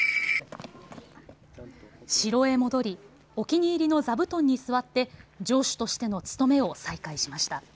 城へ戻り、お気に入りの座布団に座って城主としての務めを再開しました。